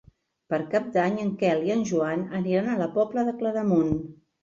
Per Cap d'Any en Quel i en Joan aniran a la Pobla de Claramunt.